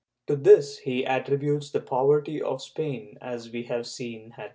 To this he attributes the poverty of Spain, as we have seen (Vol.